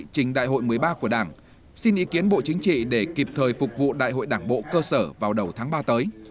trình đại hội một mươi ba của đảng xin ý kiến bộ chính trị để kịp thời phục vụ đại hội đảng bộ cơ sở vào đầu tháng ba tới